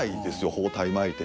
包帯巻いて。